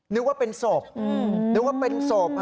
นึกว่าเป็นศพ